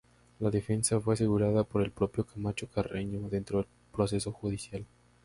La defensa fue asegurada por el propio Camacho Carreño dentro del proceso judicial.